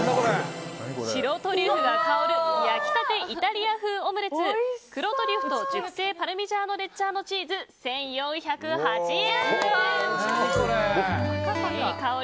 白トリュフが香る、焼き立てイタリア風オムレツ黒トリュフと熟成パルミジャーノレッジャーノチーズ１４０８円。